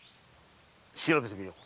調べてみよう。